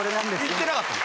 いってなかった。